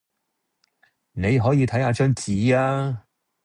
你可以睇吓張紙呀